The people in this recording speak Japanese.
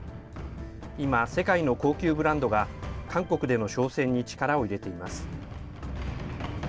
今、世界の高級ブランドが、韓国での商戦に力を入れています。